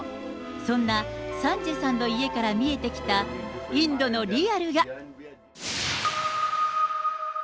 そんなサンジェさんの家から見えてきた、インドのリアルが。